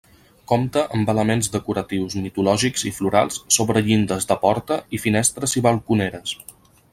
Compta amb elements decoratius mitològics i florals sobre llindes de porta i finestres i balconeres.